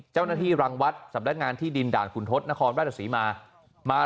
เจ้าน้าที่รังวัดสำนักงานที่ดินด่านขุนทศนครว่าสีมามา